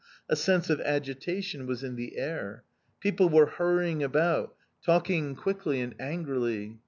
A sense of agitation was in the air. People were hurrying about, talking quickly and angrily.